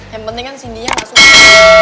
yang penting kan sindinya nggak suka